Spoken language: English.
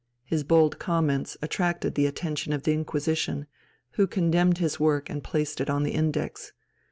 His bold comments attracted the attention of the Inquisition, who condemned his work and placed it on the Index.